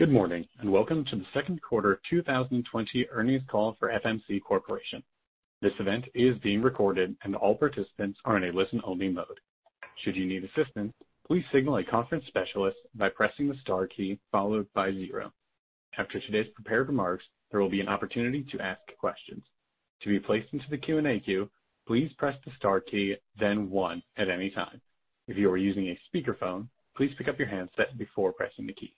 Good morning. Welcome to the Second Quarter 2020 Earnings Call for FMC Corporation. This event is being recorded. All participants are in a listen-only mode. Should you need assistance, please signal a conference specialist by pressing the star key followed by zero. After today's prepared remarks, there will be an opportunity to ask questions. To be placed into the Q&A queue, please press the star key, then one at any time. If you are using a speakerphone, please pick up your handset before pressing the key.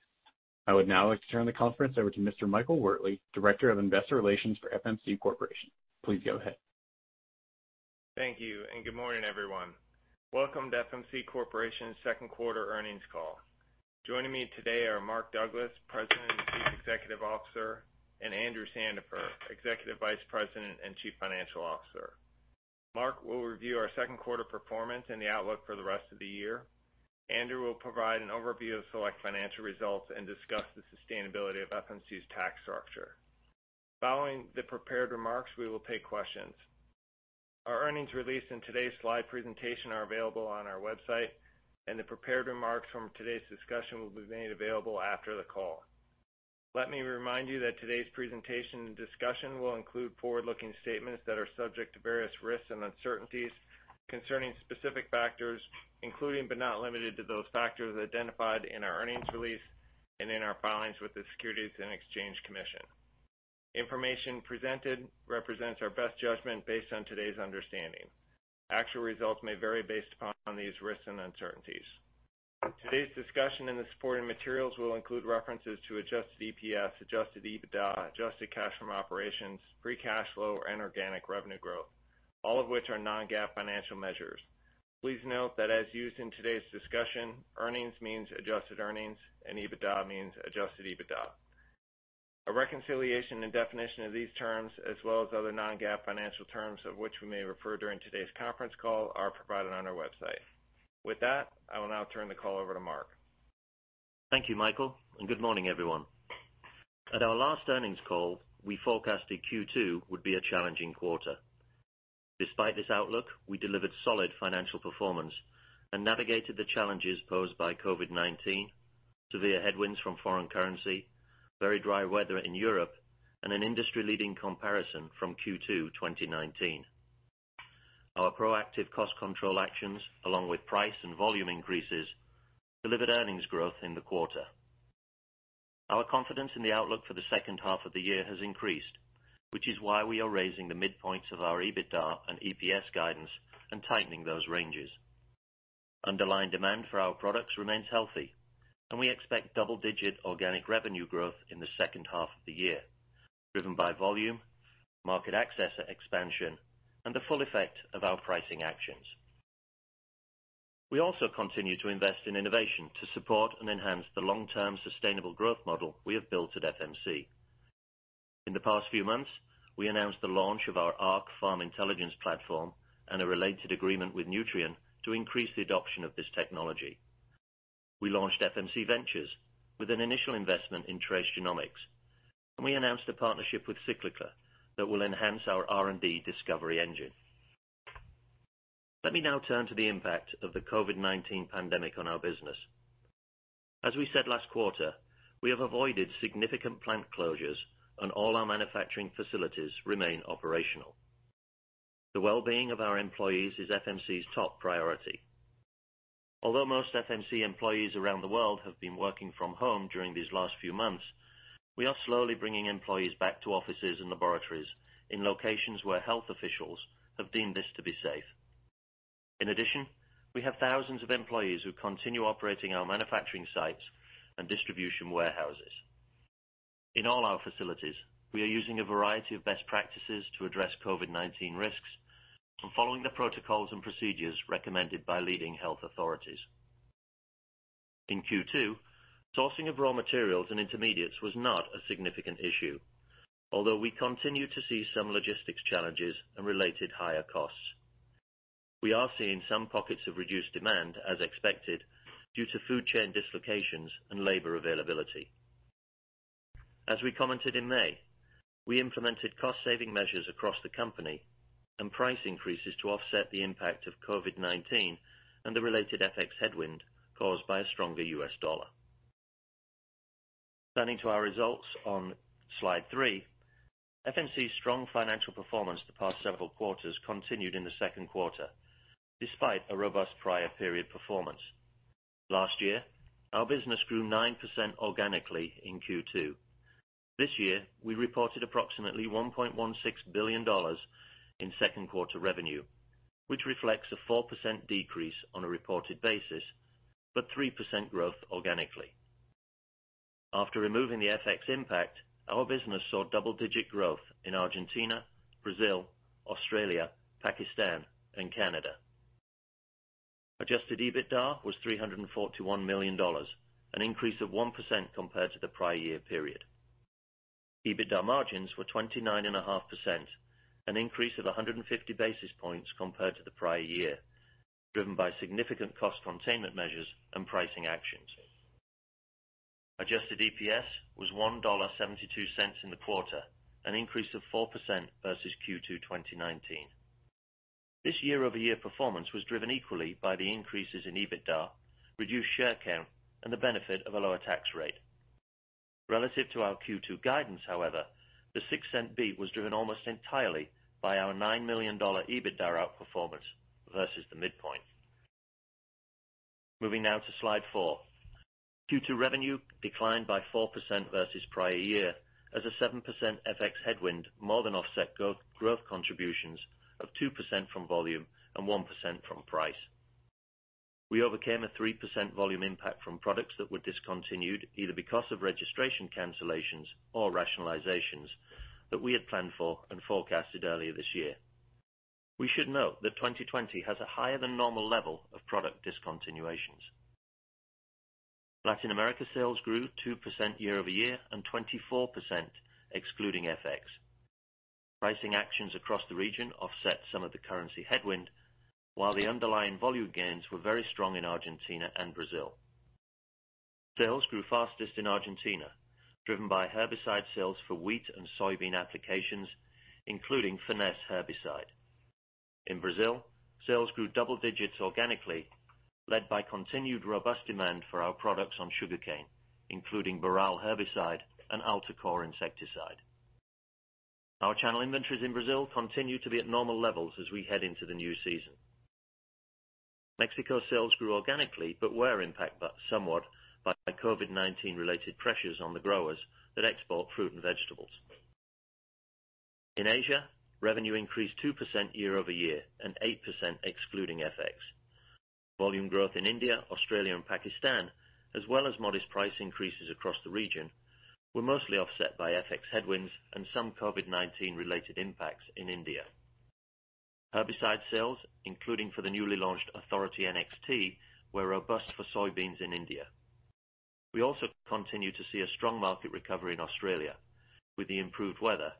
I would now like to turn the conference over to Mr. Michael Wherley, Director of Investor Relations for FMC Corporation. Please go ahead. Thank you. Good morning, everyone. Welcome to FMC Corporation's second quarter earnings call. Joining me today are Mark Douglas, President and Chief Executive Officer, and Andrew Sandifer, Executive Vice President and Chief Financial Officer. Mark will review our second quarter performance and the outlook for the rest of the year. Andrew will provide an overview of select financial results and discuss the sustainability of FMC's tax structure. Following the prepared remarks, we will take questions. Our earnings release and today's slide presentation are available on our website, and the prepared remarks from today's discussion will be made available after the call. Let me remind you that today's presentation and discussion will include forward-looking statements that are subject to various risks and uncertainties concerning specific factors, including but not limited to those factors identified in our earnings release and in our filings with the Securities and Exchange Commission. Information presented represents our best judgment based on today's understanding. Actual results may vary based upon these risks and uncertainties. Today's discussion and the supporting materials will include references to adjusted EPS, adjusted EBITDA, adjusted cash from operations, free cash flow and organic revenue growth, all of which are non-GAAP financial measures. Please note that as used in today's discussion, earnings means adjusted earnings and EBITDA means adjusted EBITDA. A reconciliation and definition of these terms, as well as other non-GAAP financial terms of which we may refer during today's conference call, are provided on our website. With that, I will now turn the call over to Mark. Thank you, Michael, and good morning, everyone. At our last earnings call, we forecasted Q2 would be a challenging quarter. Despite this outlook, we delivered solid financial performance and navigated the challenges posed by COVID-19, severe headwinds from foreign currency, very dry weather in Europe, and an industry-leading comparison from Q2 2019. Our proactive cost control actions, along with price and volume increases, delivered earnings growth in the quarter. Our confidence in the outlook for the second half of the year has increased, which is why we are raising the midpoints of our EBITDA and EPS guidance and tightening those ranges. Underlying demand for our products remains healthy, and we expect double-digit organic revenue growth in the second half of the year, driven by volume, market access expansion, and the full effect of our pricing actions. We also continue to invest in innovation to support and enhance the long-term sustainable growth model we have built at FMC. In the past few months, we announced the launch of our Arc Farm Intelligence platform and a related agreement with Nutrien to increase the adoption of this technology. We launched FMC Ventures with an initial investment in Trace Genomics, and we announced a partnership with Cyclica that will enhance our R&D discovery engine. Let me now turn to the impact of the COVID-19 pandemic on our business. As we said last quarter, we have avoided significant plant closures and all our manufacturing facilities remain operational. The well-being of our employees is FMC's top priority. Although most FMC employees around the world have been working from home during these last few months, we are slowly bringing employees back to offices and laboratories in locations where health officials have deemed this to be safe. In addition, we have thousands of employees who continue operating our manufacturing sites and distribution warehouses. In all our facilities, we are using a variety of best practices to address COVID-19 risks and following the protocols and procedures recommended by leading health authorities. In Q2, sourcing of raw materials and intermediates was not a significant issue, although we continue to see some logistics challenges and related higher costs. We are seeing some pockets of reduced demand, as expected, due to food chain dislocations and labor availability. As we commented in May, we implemented cost-saving measures across the company and price increases to offset the impact of COVID-19 and the related FX headwind caused by a stronger U.S. dollar. Turning to our results on slide three, FMC's strong financial performance the past several quarters continued in the second quarter, despite a robust prior period performance. Last year, our business grew 9% organically in Q2. This year, we reported approximately $1.16 billion in second quarter revenue, which reflects a 4% decrease on a reported basis, but 3% growth organically. After removing the FX impact, our business saw double-digit growth in Argentina, Brazil, Australia, Pakistan, and Canada. Adjusted EBITDA was $341 million, an increase of 1% compared to the prior year period. EBITDA margins were 29.5%, an increase of 150 basis points compared to the prior year, driven by significant cost containment measures and pricing actions. Adjusted EPS was $1.72 in the quarter, an increase of 4% versus Q2 2019. This year-over-year performance was driven equally by the increases in EBITDA, reduced share count, and the benefit of a lower tax rate. Relative to our Q2 guidance, however, the $0.06 beat was driven almost entirely by our $9 million EBITDA outperformance versus the midpoint. Moving now to slide four. Q2 revenue declined by 4% versus prior year as a 7% FX headwind more than offset growth contributions of 2% from volume and 1% from price. We overcame a 3% volume impact from products that were discontinued either because of registration cancellations or rationalizations that we had planned for and forecasted earlier this year. We should note that 2020 has a higher than normal level of product discontinuations. Latin America sales grew 2% year-over-year and 24% excluding FX. Pricing actions across the region offset some of the currency headwind, while the underlying volume gains were very strong in Argentina and Brazil. Sales grew fastest in Argentina, driven by herbicide sales for wheat and soybean applications, including Finesse herbicide. In Brazil, sales grew double digits organically, led by continued robust demand for our products on sugarcane, including Boral herbicide and Altacor insecticide. Our channel inventories in Brazil continue to be at normal levels as we head into the new season. Mexico sales grew organically, but were impacted somewhat by COVID-19 related pressures on the growers that export fruit and vegetables. In Asia, revenue increased 2% year-over-year and 8% excluding FX. Volume growth in India, Australia, and Pakistan, as well as modest price increases across the region, were mostly offset by FX headwinds and some COVID-19 related impacts in India. Herbicide sales, including for the newly launched Authority NXT, were robust for soybeans in India. We also continue to see a strong market recovery in Australia with the improved weather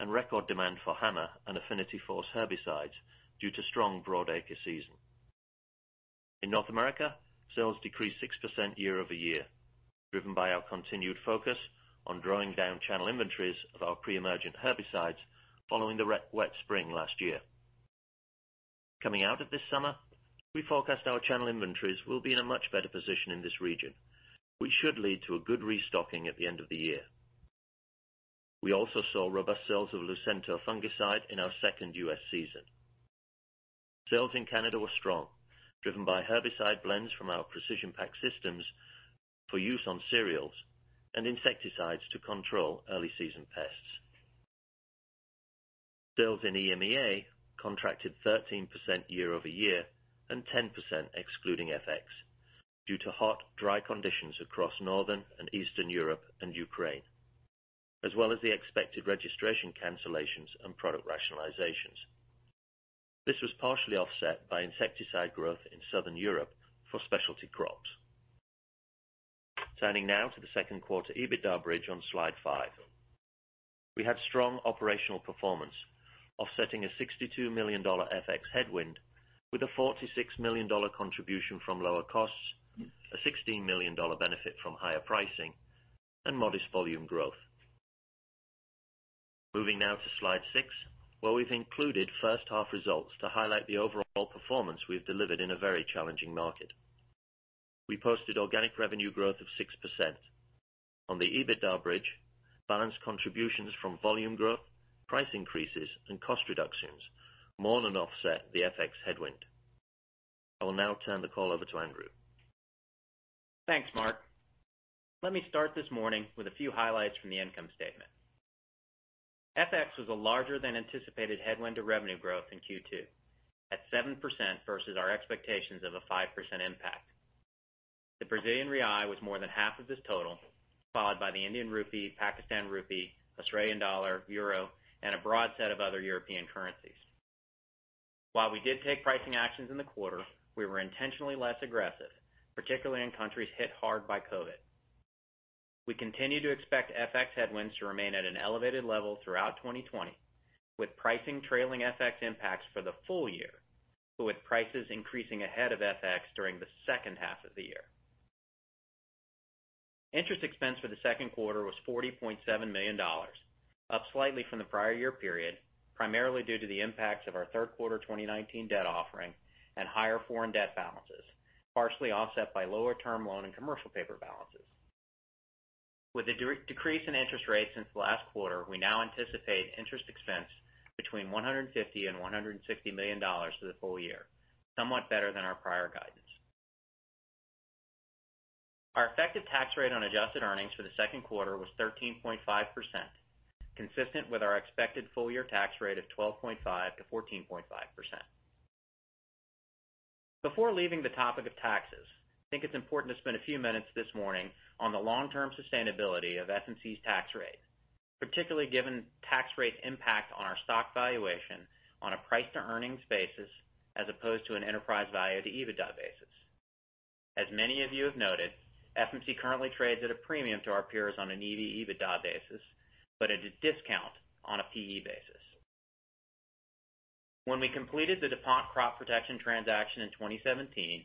and record demand for Hammer and Affinity Force herbicides due to strong broadacre season. In North America, sales decreased 6% year-over-year, driven by our continued focus on drawing down channel inventories of our pre-emergent herbicides following the wet spring last year. Coming out of this summer, we forecast our channel inventories will be in a much better position in this region, which should lead to a good restocking at the end of the year. We also saw robust sales of Lucento fungicide in our second U.S. season. Sales in Canada were strong, driven by herbicide blends from our PrecisionPac systems for use on cereals and insecticides to control early season pests. Sales in EMEA contracted 13% year-over-year and 10% excluding FX due to hot, dry conditions across Northern and Eastern Europe and Ukraine, as well as the expected registration cancellations and product rationalizations. This was partially offset by insecticide growth in Southern Europe for specialty crops. Turning now to the second quarter EBITDA bridge on slide five. We had strong operational performance offsetting a $62 million FX headwind with a $46 million contribution from lower costs, a $16 million benefit from higher pricing, and modest volume growth. Moving now to slide six, where we've included first half results to highlight the overall performance we've delivered in a very challenging market. We posted organic revenue growth of 6%. On the EBITDA bridge, balanced contributions from volume growth, price increases, and cost reductions more than offset the FX headwind. I will now turn the call over to Andrew. Thanks, Mark. Let me start this morning with a few highlights from the income statement. FX was a larger than anticipated headwind to revenue growth in Q2, at 7% versus our expectations of a 5% impact. The Brazilian real was more than half of this total, followed by the Indian rupee, Pakistan rupee, Australian dollar, euro, and a broad set of other European currencies. While we did take pricing actions in the quarter, we were intentionally less aggressive, particularly in countries hit hard by COVID. We continue to expect FX headwinds to remain at an elevated level throughout 2020, with pricing trailing FX impacts for the full-year, with prices increasing ahead of FX during the second half of the year. Interest expense for the second quarter was $40.7 million, up slightly from the prior year period, primarily due to the impacts of our third quarter 2019 debt offering and higher foreign debt balances, partially offset by lower term loan and commercial paper balances. With the decrease in interest rates since last quarter, we now anticipate interest expense between $150 and $160 million for the full-year, somewhat better than our prior guidance. Our effective tax rate on adjusted earnings for the second quarter was 13.5%, consistent with our expected full-year tax rate of 12.5%-14.5%. Before leaving the topic of taxes, I think it's important to spend a few minutes this morning on the long-term sustainability of FMC's tax rate, particularly given tax rate impact on our stock valuation on a price to earnings basis as opposed to an enterprise value to EBITDA basis. As many of you have noted, FMC currently trades at a premium to our peers on an EV/EBITDA basis, but at a discount on a P/E basis. When we completed the DuPont crop protection transaction in 2017.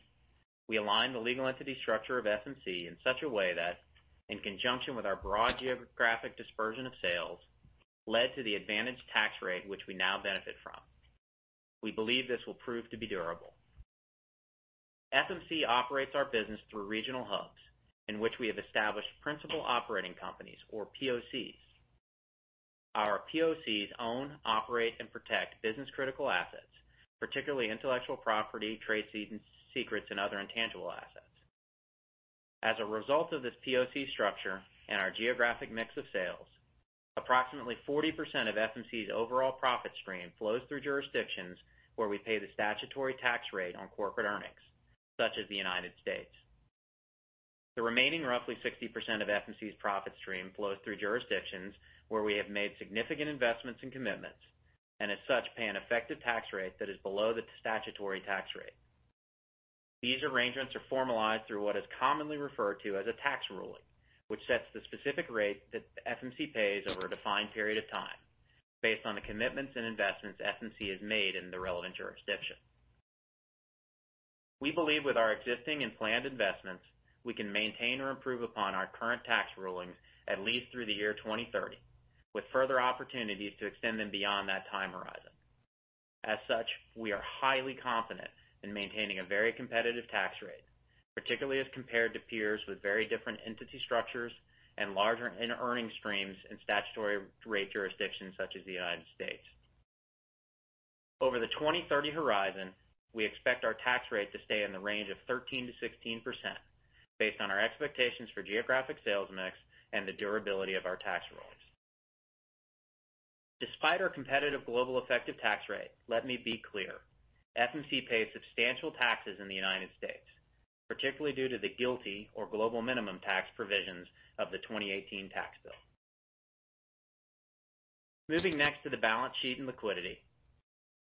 We aligned the legal entity structure of FMC in such a way that, in conjunction with our broad geographic dispersion of sales, led to the advantage tax rate which we now benefit from. We believe this will prove to be durable. FMC operates our business through regional hubs, in which we have established principal operating companies or POCs. Our POCs own, operate, and protect business critical assets, particularly intellectual property, trade secrets, and other intangible assets. As a result of this POC structure and our geographic mix of sales, approximately 40% of FMC's overall profit stream flows through jurisdictions where we pay the statutory tax rate on corporate earnings, such as the United States. The remaining roughly 60% of FMC's profit stream flows through jurisdictions where we have made significant investments and commitments, and as such, pay an effective tax rate that is below the statutory tax rate. These arrangements are formalized through what is commonly referred to as a tax ruling, which sets the specific rate that FMC pays over a defined period of time, based on the commitments and investments FMC has made in the relevant jurisdiction. We believe with our existing and planned investments, we can maintain or improve upon our current tax rulings at least through the year 2030, with further opportunities to extend them beyond that time horizon. As such, we are highly confident in maintaining a very competitive tax rate, particularly as compared to peers with very different entity structures and larger earning streams in statutory rate jurisdictions such as the United States. Over the 2030 horizon, we expect our tax rate to stay in the range of 13%-16%, based on our expectations for geographic sales mix and the durability of our tax rulings. Despite our competitive global effective tax rate, let me be clear, FMC pays substantial taxes in the United States, particularly due to the GILTI or global minimum tax provisions of the 2018 tax bill. Moving next to the balance sheet and liquidity.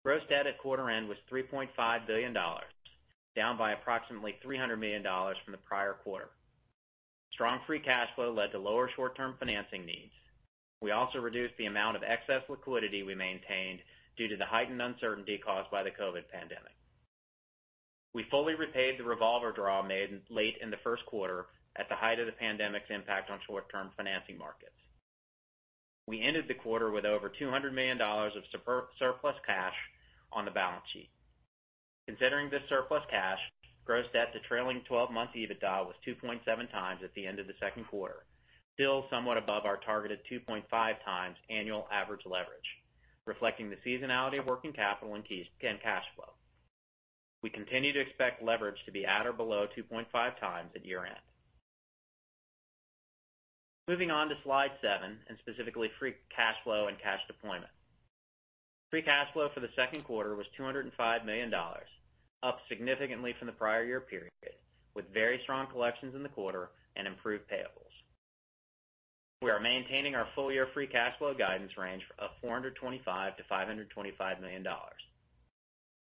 Gross debt at quarter end was $3.5 billion, down by approximately $300 million from the prior quarter. Strong free cash flow led to lower short-term financing needs. We also reduced the amount of excess liquidity we maintained due to the heightened uncertainty caused by the COVID-19 pandemic. We fully repaid the revolver draw made late in the first quarter at the height of the pandemic's impact on short-term financing markets. We ended the quarter with over $200 million of surplus cash on the balance sheet. Considering this surplus cash, gross debt to trailing 12-month EBITDA was 2.7x at the end of the second quarter, still somewhat above our targeted 2.5x annual average leverage, reflecting the seasonality of working capital and cash flow. We continue to expect leverage to be at or below 2.5x times at year-end. Moving on to slide seven, specifically free cash flow and cash deployment. Free cash flow for the second quarter was $205 million, up significantly from the prior year period, with very strong collections in the quarter and improved payables. We are maintaining our full-year free cash flow guidance range of $425 million to $525 million.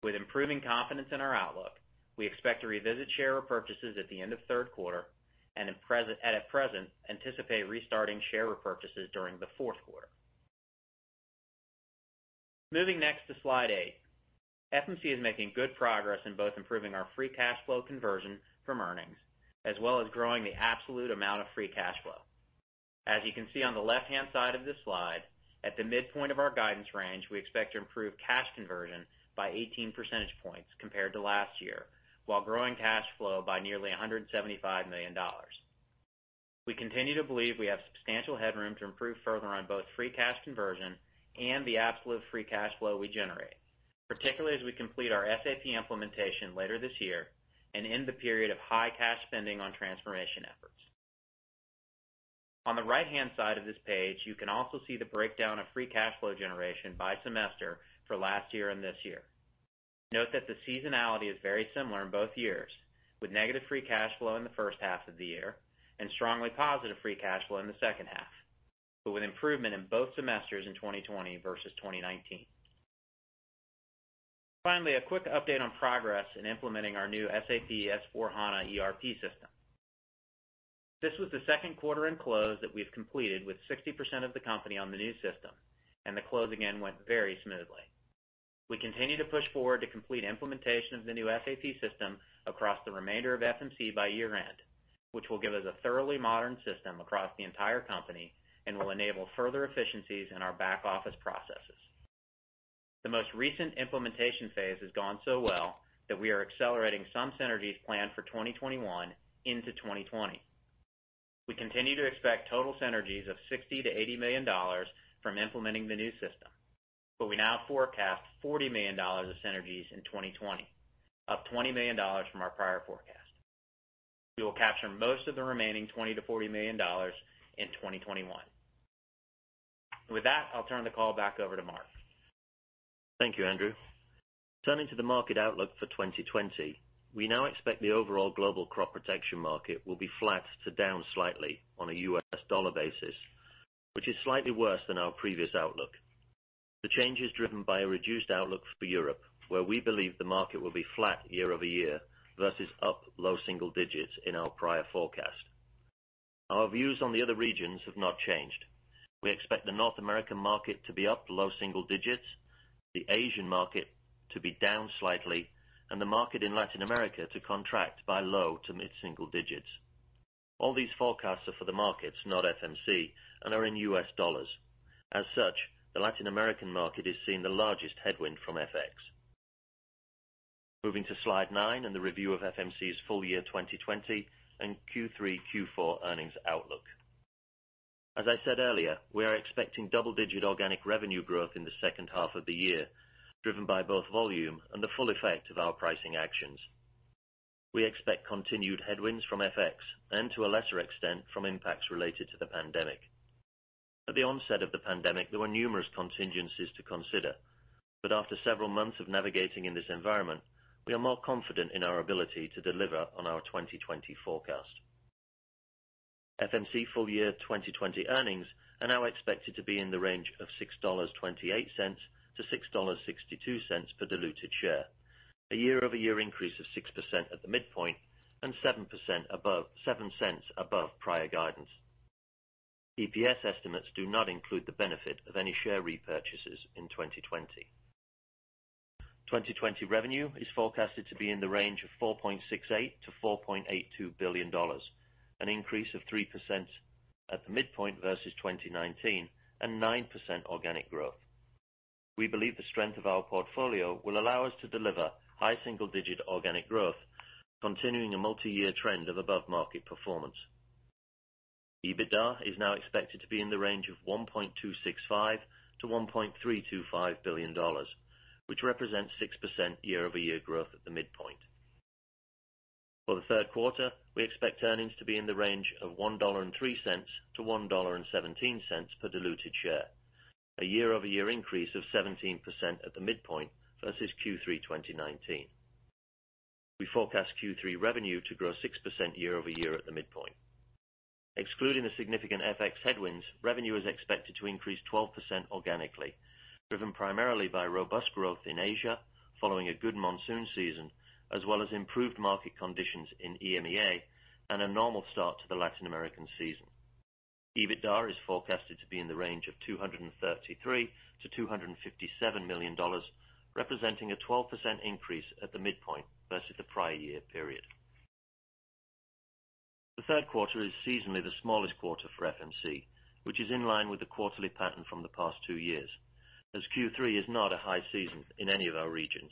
With improving confidence in our outlook, we expect to revisit share repurchases at the end of third quarter and at present, anticipate restarting share repurchases during the fourth quarter. Moving next to slide eight. FMC is making good progress in both improving our free cash flow conversion from earnings, as well as growing the absolute amount of free cash flow. As you can see on the left-hand side of this slide, at the midpoint of our guidance range, we expect to improve cash conversion by 18% points compared to last year, while growing cash flow by nearly $175 million. We continue to believe we have substantial headroom to improve further on both free cash conversion and the absolute free cash flow we generate, particularly as we complete our SAP implementation later this year and end the period of high cash spending on transformation efforts. On the right-hand side of this page, you can also see the breakdown of free cash flow generation by semester for last year and this year. Note that the seasonality is very similar in both years, with negative free cash flow in the first half of the year, and strongly positive free cash flow in the second half, but with improvement in both semesters in 2020 versus 2019. Finally, a quick update on progress in implementing our new SAP S/4HANA ERP system. This was the second quarter-end close that we've completed with 60% of the company on the new system, and the closing in went very smoothly. We continue to push forward to complete implementation of the new SAP system across the remainder of FMC by year-end, which will give us a thoroughly modern system across the entire company and will enable further efficiencies in our back-office processes. The most recent implementation phase has gone so well that we are accelerating some synergies planned for 2021 into 2020. We continue to expect total synergies of $60 million to $80 million from implementing the new system, we now forecast $40 million of synergies in 2020, up $20 million from our prior forecast. We will capture most of the remaining $20 million to $40 million in 2021. With that, I'll turn the call back over to Mark. Thank you, Andrew. Turning to the market outlook for 2020, we now expect the overall global crop protection market will be flat to down slightly on a US dollar basis, which is slightly worse than our previous outlook. The change is driven by a reduced outlook for Europe, where we believe the market will be flat year-over-year versus up low single digits in our prior forecast. Our views on the other regions have not changed. We expect the North American market to be up low single digits, the Asian market to be down slightly, and the market in Latin America to contract by low to mid-single digits. All these forecasts are for the markets, not FMC, and are in USD. As such, the Latin American market is seeing the largest headwind from FX. Moving to slide nine and the review of FMC's full-year 2020 and Q3/Q4 earnings outlook. As I said earlier, we are expecting double-digit organic revenue growth in the second half of the year, driven by both volume and the full effect of our pricing actions. We expect continued headwinds from FX and, to a lesser extent, from impacts related to the pandemic. At the onset of the pandemic, there were numerous contingencies to consider, but after several months of navigating in this environment, we are more confident in our ability to deliver on our 2020 forecast. FMC full-year 2020 earnings are now expected to be in the range of $6.28 to $6.62 per diluted share, a year-over-year increase of 6% at the midpoint and $0.07 above prior guidance. EPS estimates do not include the benefit of any share repurchases in 2020. 2020 revenue is forecasted to be in the range of $4.68 billion-$4.82 billion, an increase of 3% at the midpoint versus 2019 and 9% organic growth. We believe the strength of our portfolio will allow us to deliver high single-digit organic growth, continuing a multi-year trend of above-market performance. EBITDA is now expected to be in the range of $1.265 billion-$1.325 billion, which represents 6% year-over-year growth at the midpoint. For the third quarter, we expect earnings to be in the range of $1.03-$1.17 per diluted share, a year-over-year increase of 17% at the midpoint versus Q3 2019. We forecast Q3 revenue to grow 6% year-over-year at the midpoint. Excluding the significant FX headwinds, revenue is expected to increase 12% organically, driven primarily by robust growth in Asia following a good monsoon season, as well as improved market conditions in EMEA and a normal start to the Latin American season. EBITDA is forecasted to be in the range of $233 million to $257 million, representing a 12% increase at the midpoint versus the prior year period. The third quarter is seasonally the smallest quarter for FMC, which is in line with the quarterly pattern from the past two years, as Q3 is not a high season in any of our regions.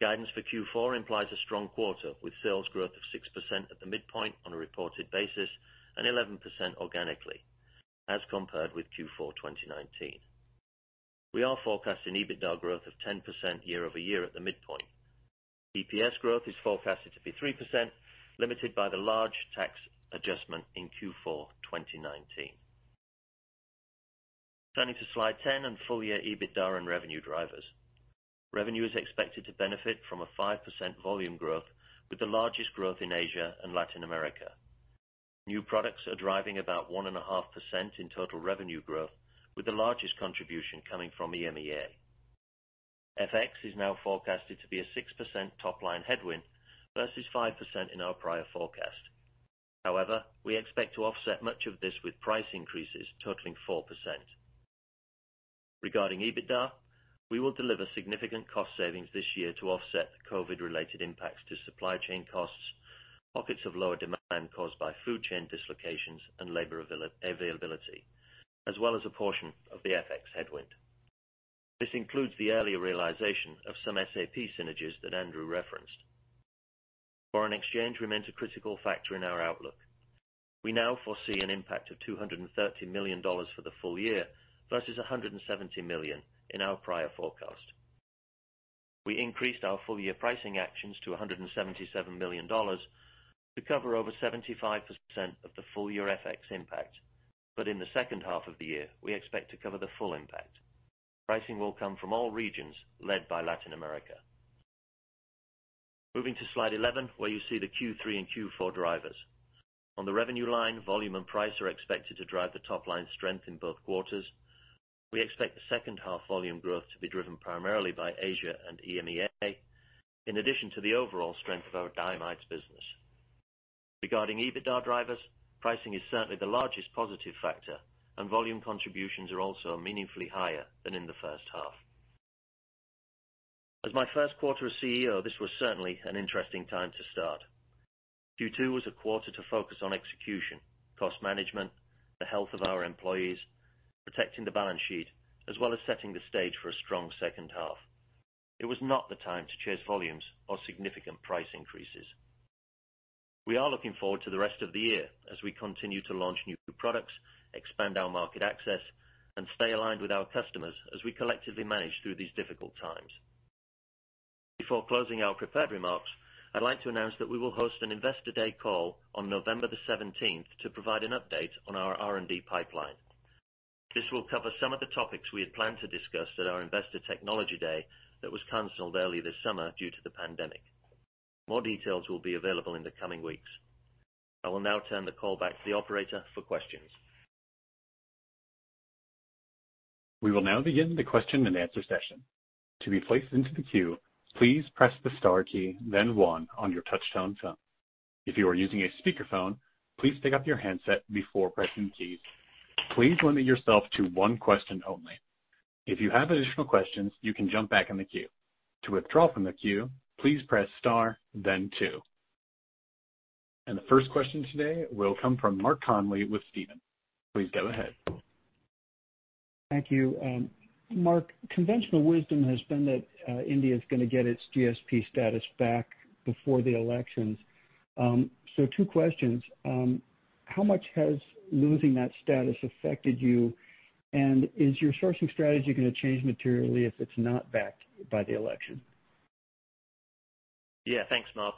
Guidance for Q4 implies a strong quarter, with sales growth of 6% at the midpoint on a reported basis and 11% organically as compared with Q4 2019. We are forecasting EBITDA growth of 10% year-over-year at the midpoint. EPS growth is forecasted to be 3%, limited by the large tax adjustment in Q4 2019. Turning to slide 10 on full-year EBITDA and revenue drivers. Revenue is expected to benefit from a 5% volume growth, with the largest growth in Asia and Latin America. New products are driving about 1.5% in total revenue growth, with the largest contribution coming from EMEA. FX is now forecasted to be a 6% top-line headwind versus 5% in our prior forecast. We expect to offset much of this with price increases totaling 4%. Regarding EBITDA, we will deliver significant cost savings this year to offset the COVID-related impacts to supply chain costs, pockets of lower demand caused by food chain dislocations, and labor availability, as well as a portion of the FX headwind. This includes the earlier realization of some SAP synergies that Andrew referenced. Foreign exchange remains a critical factor in our outlook. We now foresee an impact of $230 million for the full-year versus $170 million in our prior forecast. We increased our full-year pricing actions to $177 million to cover over 75% of the full-year FX impact. In the second half of the year, we expect to cover the full impact. Pricing will come from all regions led by Latin America. Moving to slide 11, where you see the Q3 and Q4 drivers. On the revenue line, volume and price are expected to drive the top-line strength in both quarters. We expect the second half volume growth to be driven primarily by Asia and EMEA, in addition to the overall strength of our diamides business. Regarding EBITDA drivers, pricing is certainly the largest positive factor, and volume contributions are also meaningfully higher than in the first half. As my first quarter as CEO, this was certainly an interesting time to start. Q2 was a quarter to focus on execution, cost management, the health of our employees, protecting the balance sheet, as well as setting the stage for a strong second half. It was not the time to chase volumes or significant price increases. We are looking forward to the rest of the year as we continue to launch new products, expand our market access, and stay aligned with our customers as we collectively manage through these difficult times. Before closing our prepared remarks, I'd like to announce that we will host an Investor Day call on November the 17th to provide an update on our R&D pipeline. This will cover some of the topics we had planned to discuss at our Investor Technology Day that was canceled early this summer due to the pandemic. More details will be available in the coming weeks. I will now turn the call back to the operator for questions. We will now begin the question-and-answer session. To be placed into the queue, please press the star key, then one on your touchtone phone. If you are using a speakerphone, please pick up your handset before pressing keys. Please limit yourself to one question only. If you have additional questions, you can jump back in the queue. To withdraw from the queue, please press star then two. The first question today will come from Mark Connelly with Stephens. Please go ahead. Thank you. Mark, conventional wisdom has been that India's going to get its GSP status back before the elections. Two questions. How much has losing that status affected you? And is your sourcing strategy going to change materially if it's not backed by the election? Yeah, thanks, Mark.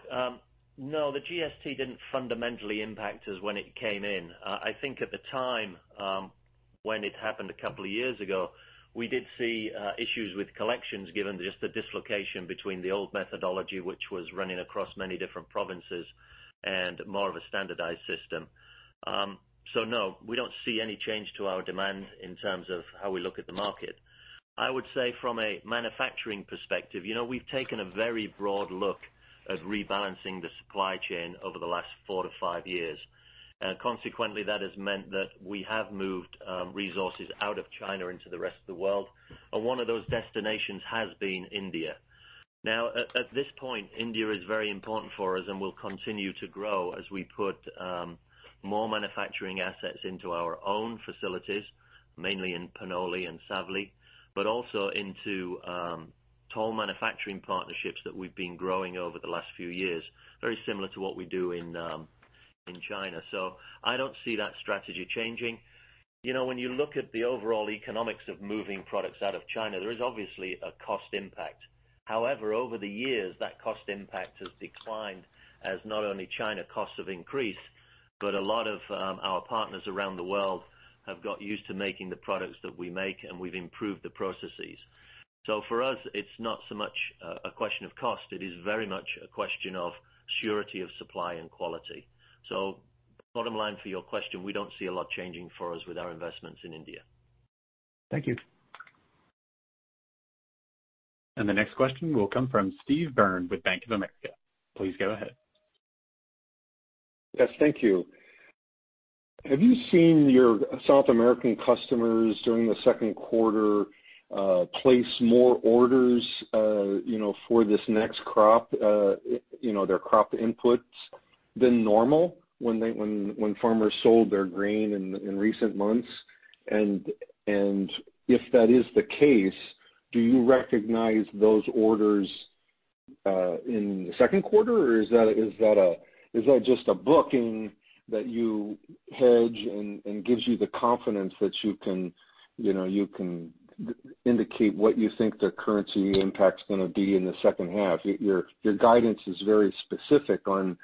No, the GSP didn't fundamentally impact us when it came in. I think at the time, when it happened a couple of years ago, we did see issues with collections, given just the dislocation between the old methodology, which was running across many different provinces and more of a standardized system. No, we don't see any change to our demand in terms of how we look at the market. I would say from a manufacturing perspective, we've taken a very broad look at rebalancing the supply chain over the last four to five years. Consequently, that has meant that we have moved resources out of China into the rest of the world, and one of those destinations has been India. At this point, India is very important for us and will continue to grow as we put more manufacturing assets into our own facilities, mainly in Panoli and Savli, but also into toll manufacturing partnerships that we've been growing over the last few years, very similar to what we do in China. I don't see that strategy changing. When you look at the overall economics of moving products out of China, there is obviously a cost impact. However, over the years, that cost impact has declined as not only China costs have increased, but a lot of our partners around the world have got used to making the products that we make, and we've improved the processes. For us, it's not so much a question of cost. It is very much a question of surety of supply and quality. Bottom line for your question, we don't see a lot changing for us with our investments in India. Thank you. The next question will come from Steve Byrne with Bank of America. Please go ahead. Yes, thank you. Have you seen your South American customers during the second quarter, place more orders for this next crop, their crop inputs than normal when farmers sold their grain in recent months? If that is the case, do you recognize those orders in the second quarter, or is that just a booking that you hedge and gives you the confidence that you can indicate what you think the currency impact's gonna be in the second half? Your guidance is very specific on,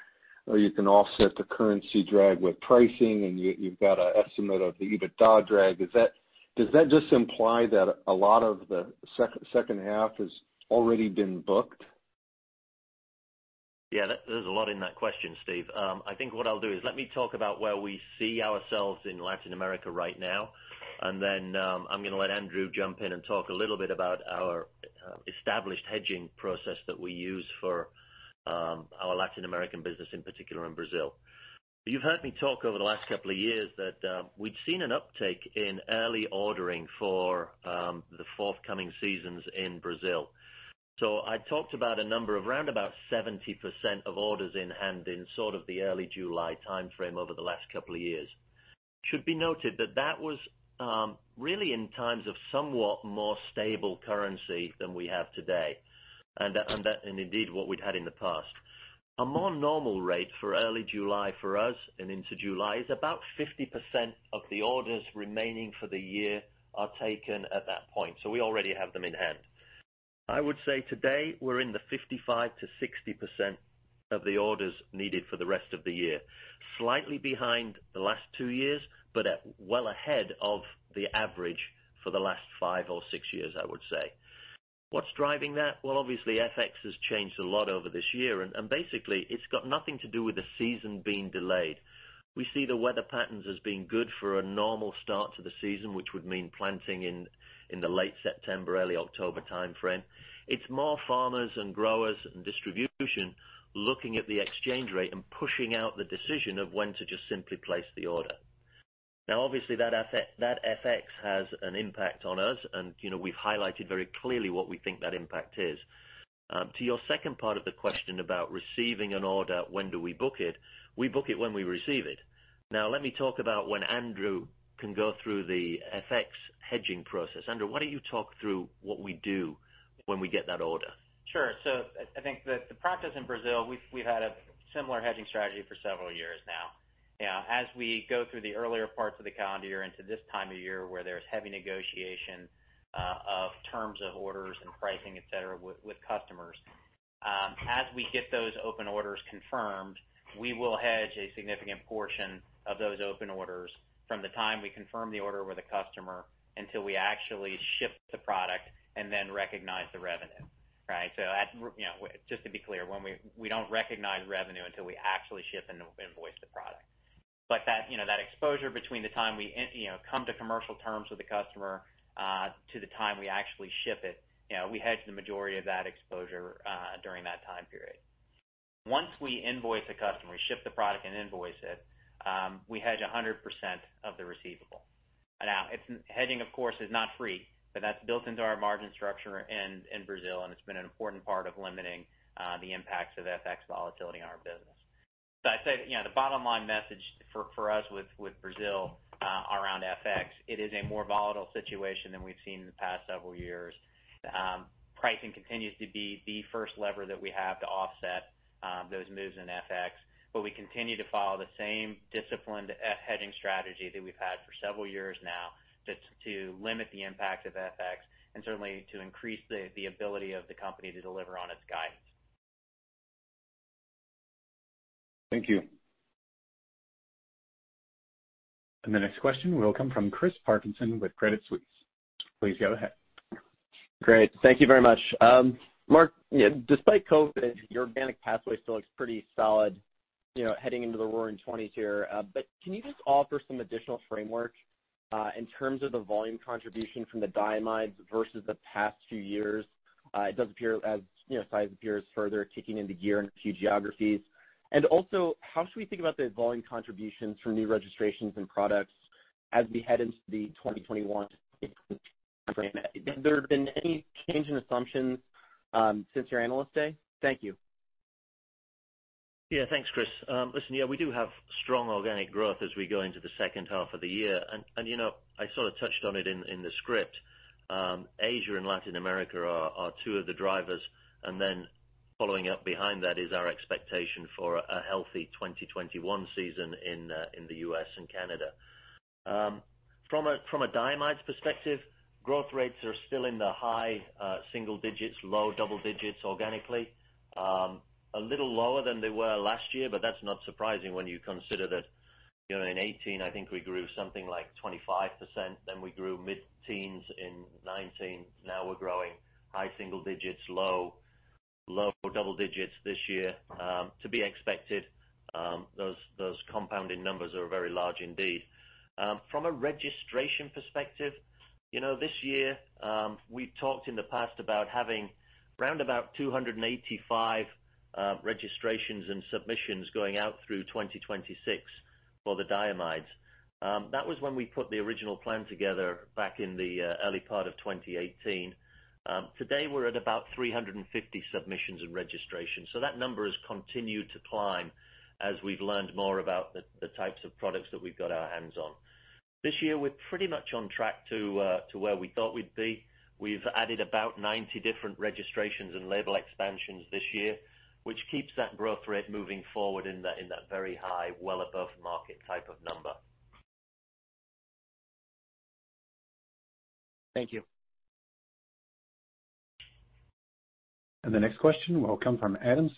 you can offset the currency drag with pricing, and you've got an estimate of the EBITDA drag. Does that just imply that a lot of the second half has already been booked? Yeah, there's a lot in that question, Steve. I think what I'll do is let me talk about where we see ourselves in Latin America right now, and then, I'm going to let Andrew jump in and talk a little bit about our established hedging process that we use for our Latin American business, in particular in Brazil. You've heard me talk over the last couple of years that we've seen an uptake in early ordering for the forthcoming seasons in Brazil. I talked about a number of around about 70% of orders in hand in sort of the early July timeframe over the last couple of years. Should be noted that that was really in times of somewhat more stable currency than we have today and indeed what we'd had in the past. A more normal rate for early July for us and into July is about 50% of the orders remaining for the year are taken at that point. We already have them in hand. I would say today we're in the 55% to 60% of the orders needed for the rest of the year, slightly behind the last two years, but well ahead of the average for the last five or six years, I would say. What's driving that? Well, obviously, FX has changed a lot over this year, and basically, it's got nothing to do with the season being delayed. We see the weather patterns as being good for a normal start to the season, which would mean planting in the late September, early October timeframe. It's more farmers and growers and distribution looking at the exchange rate and pushing out the decision of when to just simply place the order. Obviously, that FX has an impact on us and we've highlighted very clearly what we think that impact is. To your second part of the question about receiving an order, when do we book it? We book it when we receive it. Let me talk about when Andrew can go through the FX hedging process. Andrew, why don't you talk through what we do when we get that order? Sure. I think that the practice in Brazil, we've had a similar hedging strategy for several years now. As we go through the earlier parts of the calendar year into this time of year where there's heavy negotiation of terms of orders and pricing, et cetera, with customers. As we get those open orders confirmed, we will hedge a significant portion of those open orders from the time we confirm the order with a customer until we actually ship the product and then recognize the revenue. Right. Just to be clear, we don't recognize revenue until we actually ship and invoice the product. That exposure between the time we come to commercial terms with the customer, to the time we actually ship it, we hedge the majority of that exposure during that time period. Once we invoice a customer, ship the product and invoice it, we hedge 100% of the receivable. Hedging, of course, is not free, but that's built into our margin structure in Brazil, and it's been an important part of limiting the impacts of FX volatility on our business. I'd say, the bottom line message for us with Brazil around FX, it is a more volatile situation than we've seen in the past several years. Pricing continues to be the first lever that we have to offset those moves in FX, but we continue to follow the same disciplined hedging strategy that we've had for several years now to limit the impact of FX and certainly to increase the ability of the company to deliver on its guidance. Thank you. The next question will come from Chris Parkinson with Credit Suisse. Please go ahead. Great. Thank you very much. Mark, despite COVID-19, your organic pathway still looks pretty solid heading into the roaring twenties here. Can you just offer some additional framework in terms of the volume contribution from the diamides versus the past few years? It does appear as 3RIVE 3D appears further kicking into gear in a few geographies. Also, how should we think about the volume contributions from new registrations and products as we head into 2021? Have there been any change in assumptions since your Analyst Day? Thank you. Thanks, Chris. Listen, we do have strong organic growth as we go into the second half of the year. I sort of touched on it in the script. Asia and Latin America are two of the drivers, then following up behind that is our expectation for a healthy 2021 season in the U.S. and Canada. From a diamides perspective, growth rates are still in the high single digits, low double digits organically. A little lower than they were last year, that's not surprising when you consider that in 2018, I think we grew something like 25%, we grew mid-teens in 2019. We're growing high single digits, low double digits this year. To be expected. Those compounding numbers are very large indeed. From a registration perspective, this year, we've talked in the past about having around about 285 registrations and submissions going out through 2026 for the diamides. That was when we put the original plan together back in the early part of 2018. Today we're at about 350 submissions and registrations. That number has continued to climb as we've learned more about the types of products that we've got our hands on. This year we're pretty much on track to where we thought we'd be. We've added about 90 different registrations and label expansions this year, which keeps that growth rate moving forward in that very high, well above market type of number. Thank you. The next question will come from Adam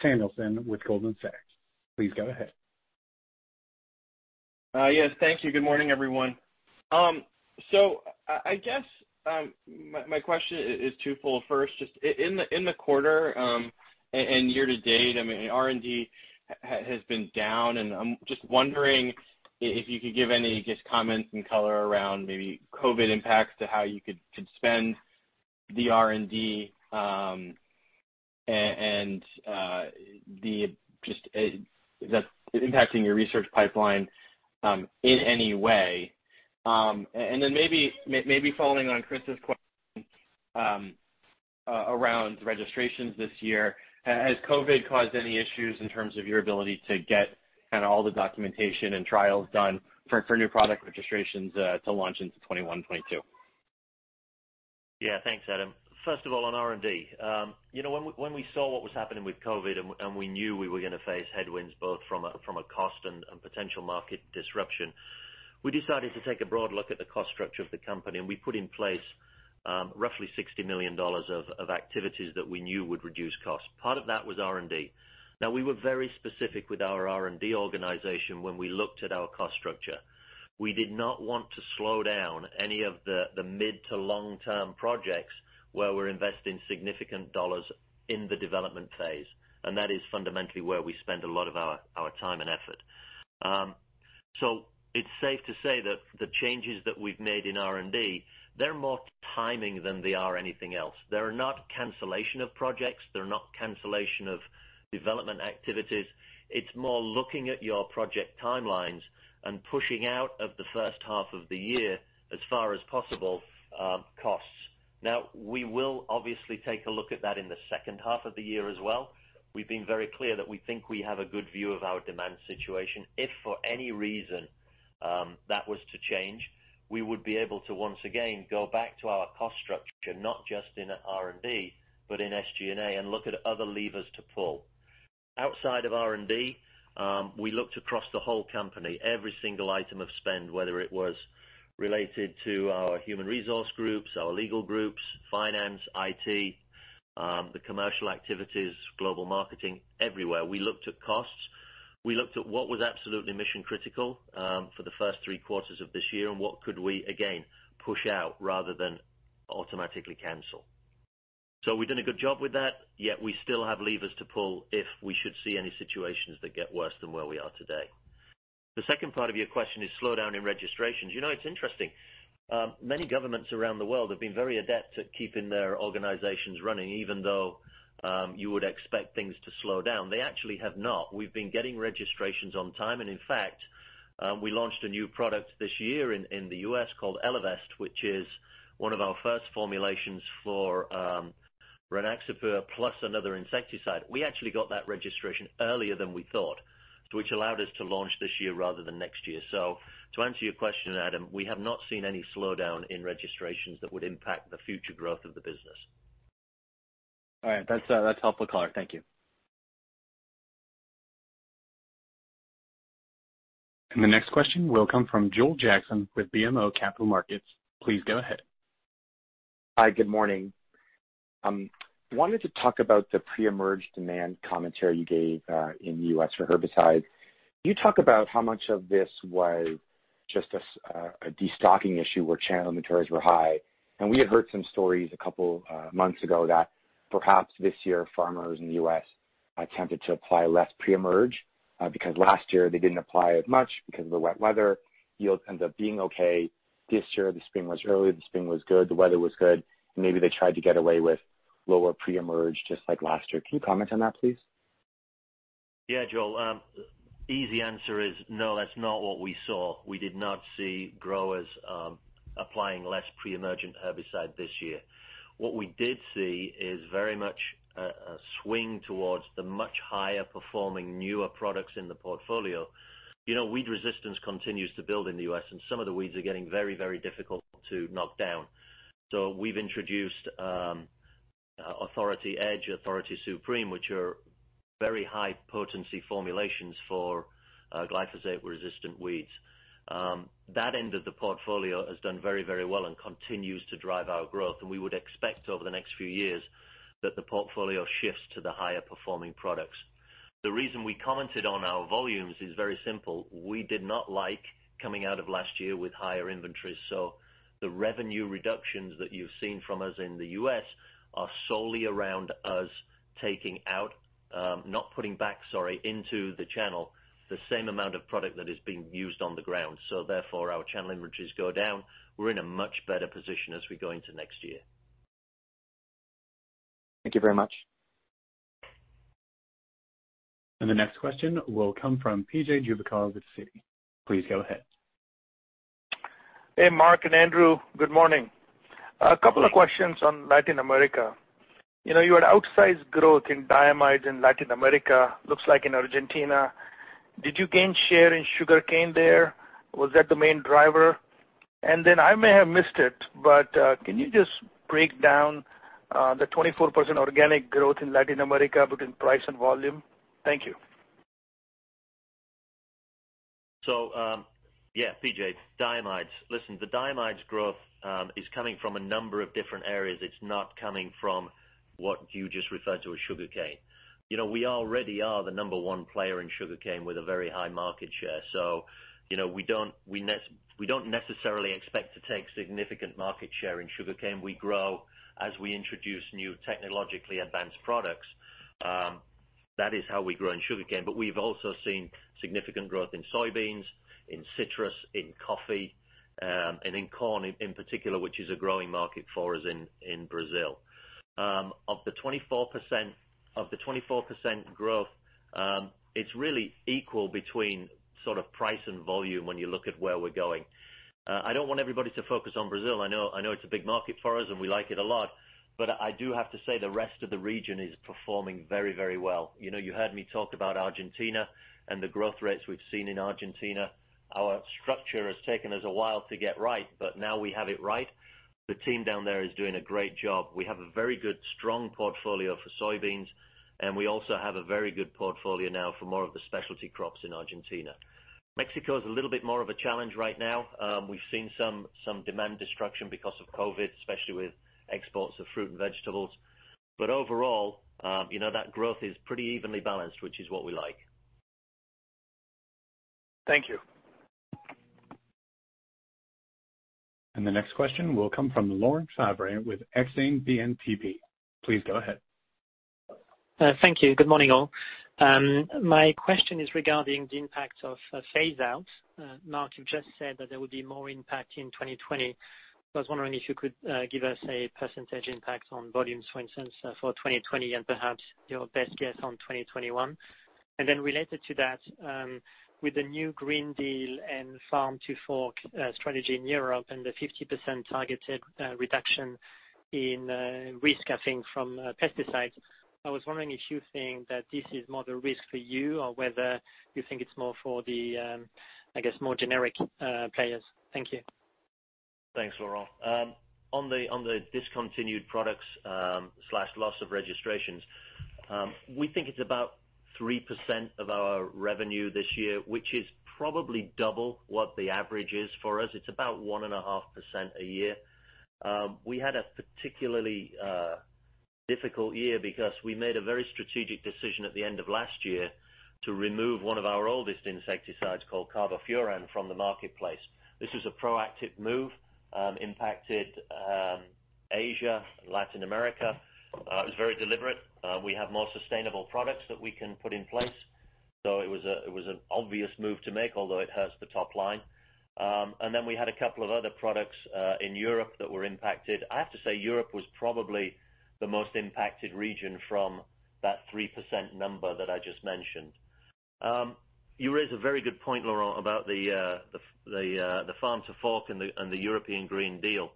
Samuelson with Goldman Sachs. Please go ahead. Yes. Thank you. Good morning, everyone. I guess my question is twofold. First, just in the quarter, and year to date, R&D has been down, and I'm just wondering if you could give any just comments and color around maybe COVID impacts to how you could spend the R&D, and if that's impacting your research pipeline in any way. Maybe following on Chris's question around registrations this year, has COVID caused any issues in terms of your ability to get kind of all the documentation and trials done for new product registrations to launch into 2021, 2022? Yeah. Thanks, Adam. First of all, on R&D. When we saw what was happening with COVID-19 and we knew we were going to face headwinds both from a cost and potential market disruption, we decided to take a broad look at the cost structure of the company, and we put in place roughly $60 million of activities that we knew would reduce costs. Part of that was R&D. Now, we were very specific with our R&D organization when we looked at our cost structure. We did not want to slow down any of the mid- to long-term projects where we're investing significant dollars in the development phase. That is fundamentally where we spend a lot of our time and effort. It's safe to say that the changes that we've made in R&D, they're more timing than they are anything else. They're not cancellation of projects. They're not cancellation of development activities. It's more looking at your project timelines and pushing out of the first half of the year, as far as possible, costs. We will obviously take a look at that in the second half of the year as well. We've been very clear that we think we have a good view of our demand situation. If for any reason that was to change, we would be able to once again go back to our cost structure, not just in R&D, but in SG&A, and look at other levers to pull. Outside of R&D, we looked across the whole company, every single item of spend, whether it was related to our human resource groups, our legal groups, finance, IT, the commercial activities, global marketing, everywhere. We looked at what was absolutely mission-critical for the first three quarters of this year, and what could we, again, push out rather than automatically cancel. We've done a good job with that, yet we still have levers to pull if we should see any situations that get worse than where we are today. The second part of your question is slowdown in registrations. It's interesting. Many governments around the world have been very adept at keeping their organizations running, even though you would expect things to slow down. They actually have not. We've been getting registrations on time, and in fact, we launched a new product this year in the U.S. called Elevest, which is one of our first formulations for Rynaxypyr plus another insecticide. We actually got that registration earlier than we thought, which allowed us to launch this year rather than next year. To answer your question, Adam, we have not seen any slowdown in registrations that would impact the future growth of the business. All right. That's helpful, Color. Thank you. The next question will come from Joel Jackson with BMO Capital Markets. Please go ahead. Hi, good morning. I wanted to talk about the pre-emerge demand commentary you gave in the U.S. for herbicides. Can you talk about how much of this was just a de-stocking issue where channel inventories were high? We had heard some stories a couple months ago that perhaps this year, farmers in the U.S. attempted to apply less pre-emerge because last year they didn't apply as much because of the wet weather. Yields ended up being okay. This year, the spring was early, the spring was good, the weather was good, and maybe they tried to get away with lower pre-emerge just like last year. Can you comment on that, please? Yeah, Joel. Easy answer is no, that's not what we saw. We did not see growers applying less pre-emergent herbicide this year. What we did see is very much a swing towards the much higher performing newer products in the portfolio. Weed resistance continues to build in the U.S. and some of the weeds are getting very difficult to knock down. We've introduced Authority Edge, Authority Supreme, which are very high potency formulations for glyphosate-resistant weeds. That end of the portfolio has done very well and continues to drive our growth. We would expect over the next few years that the portfolio shifts to the higher performing products. The reason we commented on our volumes is very simple. We did not like coming out of last year with higher inventories, so the revenue reductions that you've seen from us in the U.S. are solely around us taking out, not putting back, sorry, into the channel, the same amount of product that is being used on the ground. Therefore, our channel inventories go down. We're in a much better position as we go into next year. Thank you very much. The next question will come from PJ Juvekar with Citi. Please go ahead. Hey, Mark and Andrew. Good morning. A couple of questions on Latin America. You had outsized growth in diamides in Latin America, looks like in Argentina. Did you gain share in sugarcane there? Was that the main driver? I may have missed it, but can you just break down the 24% organic growth in Latin America between price and volume? Thank you. Yeah, PJ diamides. Listen, the diamides growth is coming from a number of different areas. It's not coming from what you just referred to as sugarcane. We already are the number one player in sugarcane with a very high market share. We don't necessarily expect to take significant market share in sugarcane. We grow as we introduce new technologically advanced products. That is how we grow in sugarcane. We've also seen significant growth in soybeans, in citrus, in coffee, and in corn in particular, which is a growing market for us in Brazil. Of the 24% growth, it's really equal between price and volume when you look at where we're going. I don't want everybody to focus on Brazil. I know it's a big market for us and we like it a lot, but I do have to say the rest of the region is performing very well. You heard me talk about Argentina and the growth rates we've seen in Argentina. Our structure has taken us a while to get right, but now we have it right. The team down there is doing a great job. We have a very good, strong portfolio for soybeans, and we also have a very good portfolio now for more of the specialty crops in Argentina. Mexico is a little bit more of a challenge right now. We've seen some demand destruction because of COVID-19, especially with exports of fruit and vegetables. Overall, that growth is pretty evenly balanced, which is what we like. Thank you. The next question will come from Laurent Favre with Exane BNP. Please go ahead. Thank you. Good morning, all. My question is regarding the impact of phase outs. Mark, you just said that there would be more impact in 2020. I was wondering if you could give us a percentage impact on volumes, for instance, for 2020 and perhaps your best guess on 2021. Related to that, with the new Green Deal and Farm to Fork strategy in Europe and the 50% targeted reduction in risk, I think, from pesticides, I was wondering if you think that this is more the risk for you or whether you think it's more for the more generic players. Thank you. Thanks, Laurent. On the discontinued products/loss of registrations, we think it's about 3% of our revenue this year, which is probably double what the average is for us. It's about 1.5% a year. We had a particularly difficult year because we made a very strategic decision at the end of last year to remove one of our oldest insecticides called carbofuran from the marketplace. This was a proactive move, impacted Asia and Latin America. It was very deliberate. We have more sustainable products that we can put in place. It was an obvious move to make, although it hurts the top line. We had a couple of other products in Europe that were impacted. I have to say, Europe was probably the most impacted region from that 3% number that I just mentioned. You raise a very good point, Laurent, about the Farm to Fork and the European Green Deal.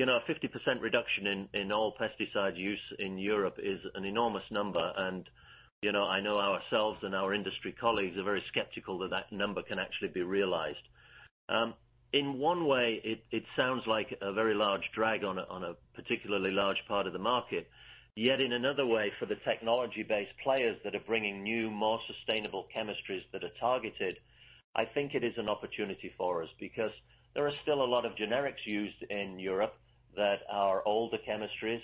50% reduction in all pesticide use in Europe is an enormous number, and I know ourselves and our industry colleagues are very skeptical that that number can actually be realized. In another way, for the technology-based players that are bringing new, more sustainable chemistries that are targeted, I think it is an opportunity for us, because there are still a lot of generics used in Europe that are older chemistries,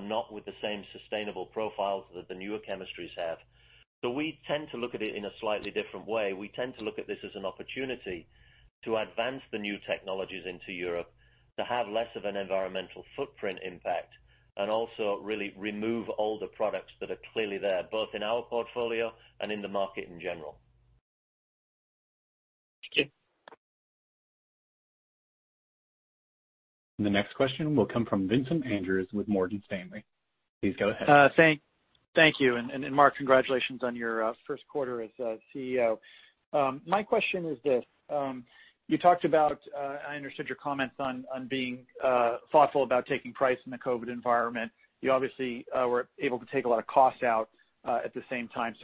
not with the same sustainable profiles that the newer chemistries have. We tend to look at it in a slightly different way. We tend to look at this as an opportunity to advance the new technologies into Europe, to have less of an environmental footprint impact, and also really remove older products that are clearly there, both in our portfolio and in the market in general. Thank you. The next question will come from Vincent Andrews with Morgan Stanley. Please go ahead. Thank you. Mark, congratulations on your first quarter as CEO. My question is this. You talked about, I understood your comments on being thoughtful about taking price in the COVID-19 environment. You obviously were able to take a lot of cost out at the same time.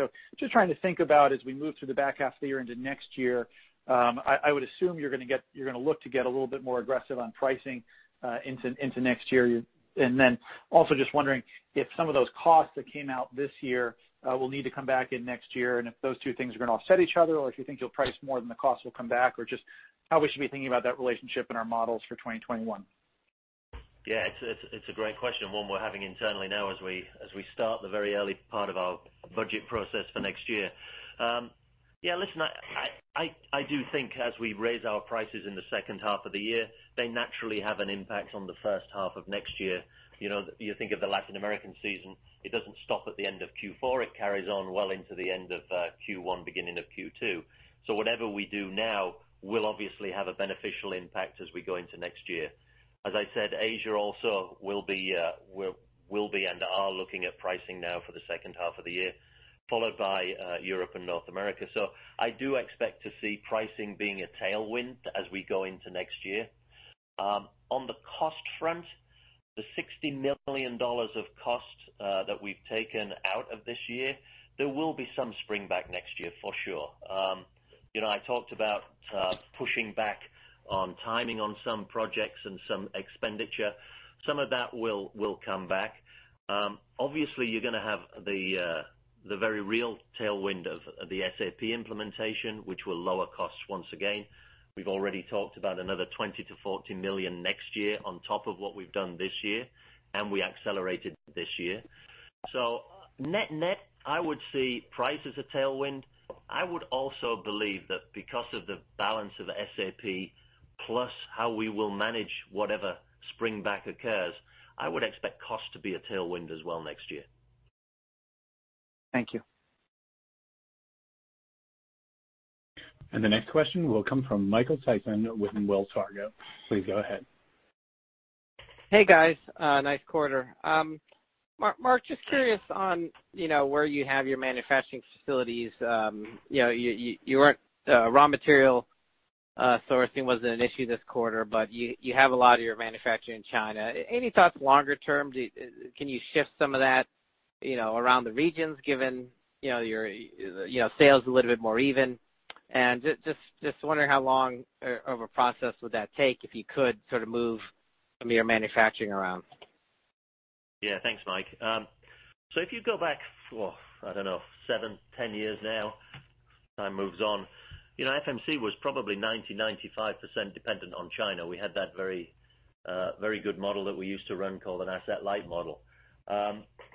Just trying to think about as we move through the back half of the year into next year, I would assume you're going to look to get a little bit more aggressive on pricing into next year. Then also just wondering if some of those costs that came out this year will need to come back in next year, and if those two things are going to offset each other, or if you think you'll price more than the cost will come back or just how we should be thinking about that relationship in our models for 2021. It's a great question, one we're having internally now as we start the very early part of our budget process for next year. I do think as we raise our prices in the second half of the year, they naturally have an impact on the first half of next year. You think of the Latin American season, it doesn't stop at the end of Q4, it carries on well into the end of Q1, beginning of Q2. Whatever we do now will obviously have a beneficial impact as we go into next year. As I said, Asia also will be and are looking at pricing now for the second half of the year, followed by Europe and North America. I do expect to see pricing being a tailwind as we go into next year. On the cost front, the $60 million of costs that we've taken out of this year, there will be some spring back next year for sure. I talked about pushing back on timing on some projects and some expenditure. Some of that will come back. Obviously, you're going to have the very real tailwind of the SAP implementation, which will lower costs once again. We've already talked about another $20 million to $40 million next year on top of what we've done this year, and we accelerated this year. Net-net, I would see price as a tailwind. I would also believe that because of the balance of SAP plus how we will manage whatever spring back occurs, I would expect cost to be a tailwind as well next year. Thank you. The next question will come from Michael Sison with Wells Fargo. Please go ahead. Hey, guys. Nice quarter. Mark, just curious on where you have your manufacturing facilities. Raw material sourcing wasn't an issue this quarter, but you have a lot of your manufacturing in China. Any thoughts longer term? Can you shift some of that around the regions given your sales a little bit more even? Just wondering how long of a process would that take if you could sort of move some of your manufacturing around? Thanks, Mike. If you go back, I don't know, seven, 10 years now, time moves on. FMC was probably 90%, 95% dependent on China. We had that very good model that we used to run called an asset-light model.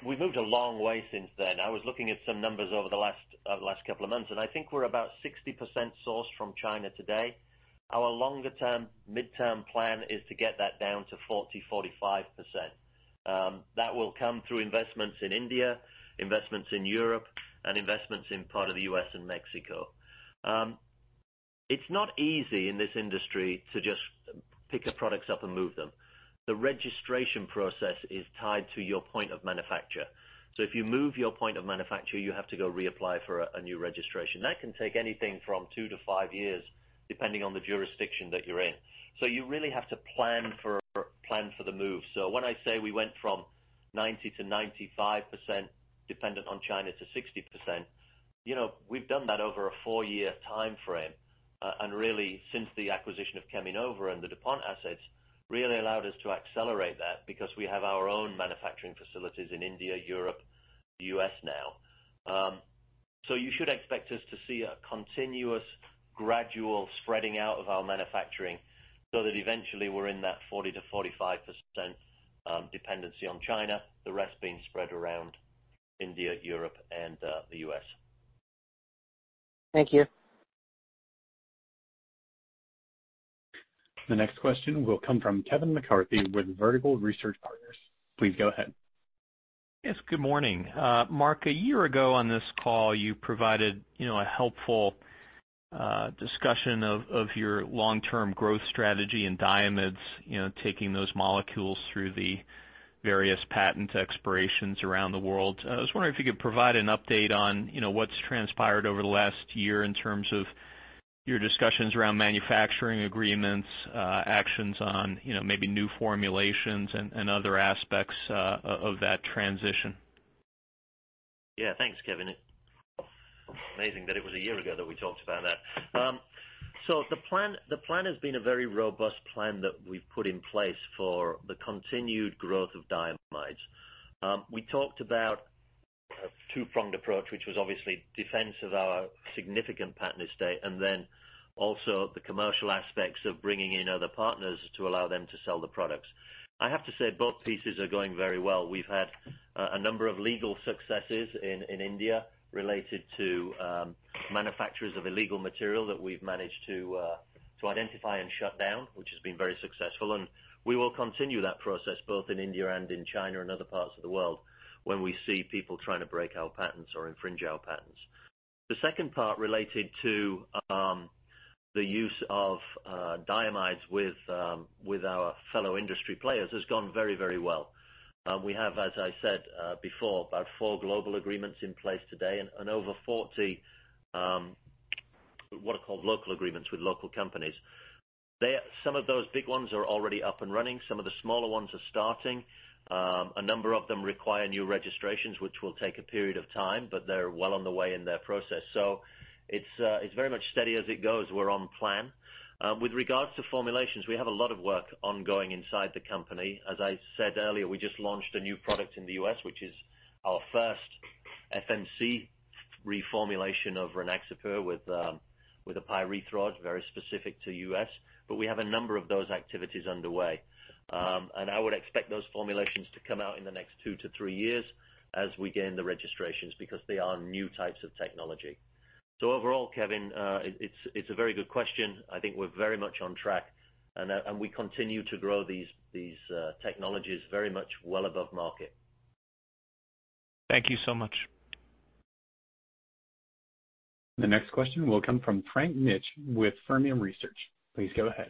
We've moved a long way since then. I was looking at some numbers over the last couple of months, I think we're about 60% sourced from China today. Our longer-term, midterm plan is to get that down to 40%, 45%. That will come through investments in India, investments in Europe, investments in part of the U.S. and Mexico. It's not easy in this industry to just pick a product up and move them. The registration process is tied to your point of manufacture. If you move your point of manufacture, you have to go reapply for a new registration. That can take anything from two to five years, depending on the jurisdiction that you're in. You really have to plan for the move. When I say we went from 90% to 95% dependent on China to 60%, we've done that over a four-year time frame. Really, since the acquisition of Cheminova and the DuPont assets, really allowed us to accelerate that because we have our own manufacturing facilities in India, Europe, U.S. now. You should expect us to see a continuous gradual spreading out of our manufacturing so that eventually we're in that 40%-45% dependency on China, the rest being spread around India, Europe, and the U.S. Thank you. The next question will come from Kevin McCarthy with Vertical Research Partners. Please go ahead. Yes, good morning. Mark, a year ago on this call, you provided a helpful discussion of your long-term growth strategy in diamides, taking those molecules through the various patent expirations around the world. I was wondering if you could provide an update on what's transpired over the last year in terms of your discussions around manufacturing agreements, actions on maybe new formulations and other aspects of that transition. Thanks, Kevin. Amazing that it was a year ago that we talked about that. The plan has been a very robust plan that we've put in place for the continued growth of diamides. We talked about a two-pronged approach, which was obviously defense of our significant patent estate, and also the commercial aspects of bringing in other partners to allow them to sell the products. I have to say both pieces are going very well. We've had a number of legal successes in India related to manufacturers of illegal material that we've managed to identify and shut down, which has been very successful. We will continue that process both in India and in China and other parts of the world when we see people trying to break our patents or infringe our patents. The second part related to the use of diamides with our fellow industry players has gone very, very well. We have, as I said before, about four global agreements in place today and over 40, what are called local agreements with local companies. Some of those big ones are already up and running. Some of the smaller ones are starting. A number of them require new registrations, which will take a period of time, They're well on the way in their process. It's very much steady as it goes. We're on plan. With regards to formulations, we have a lot of work ongoing inside the company. As I said earlier, we just launched a new product in the U.S., which is our first FMC reformulation of Rynaxypyr with a pyrethroid, very specific to U.S. We have a number of those activities underway. I would expect those formulations to come out in the next two to three years as we gain the registrations because they are new types of technology. Overall, Kevin, it's a very good question. I think we're very much on track and we continue to grow these technologies very much well above market. Thank you so much. The next question will come from Frank Mitsch with Fermium Research. Please go ahead.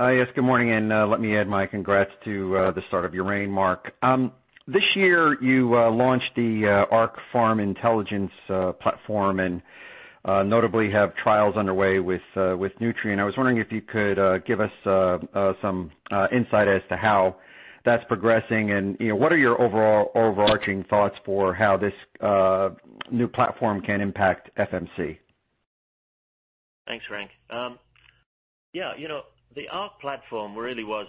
Yes, good morning. Let me add my congrats to the start of your reign, Mark. This year you launched the Arc Farm Intelligence platform and notably have trials underway with Nutrien. I was wondering if you could give us some insight as to how that's progressing and what are your overall overarching thoughts for how this new platform can impact FMC? Thanks, Frank. The Arc platform really was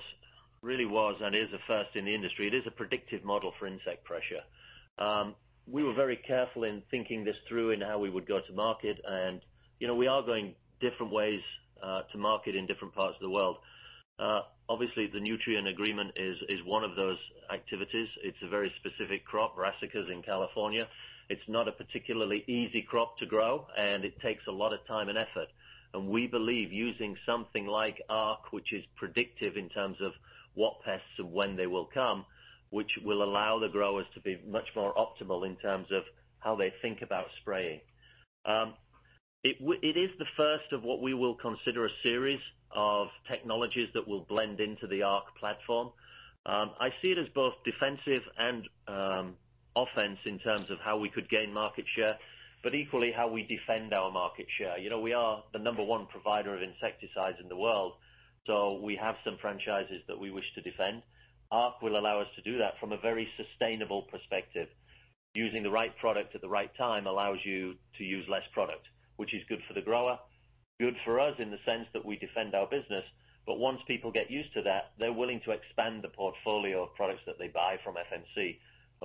and is a first in the industry. It is a predictive model for insect pressure. We were very careful in thinking this through in how we would go to market. We are going different ways to market in different parts of the world. Obviously, the Nutrien agreement is one of those activities. It's a very specific crop, brassicas in California. It's not a particularly easy crop to grow, and it takes a lot of time and effort. We believe using something like Arc, which is predictive in terms of what pests and when they will come, which will allow the growers to be much more optimal in terms of how they think about spraying. It is the first of what we will consider a series of technologies that will blend into the Arc platform. I see it as both defensive and offense in terms of how we could gain market share, but equally how we defend our market share. We are the number one provider of insecticides in the world. We have some franchises that we wish to defend. Arc will allow us to do that from a very sustainable perspective. Using the right product at the right time allows you to use less product, which is good for the grower, good for us in the sense that we defend our business. Once people get used to that, they're willing to expand the portfolio of products that they buy from FMC.